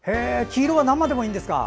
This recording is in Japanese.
黄色は生でもいいんですか。